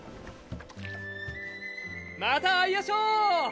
また会いやしょう！